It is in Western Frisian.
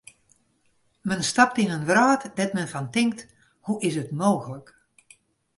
Men stapt yn in wrâld dêr't men fan tinkt: hoe is it mooglik.